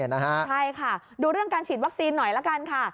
ใช่ค่ะดูเรื่องการฉีดวัคซีนหน่อยละกันค่ะ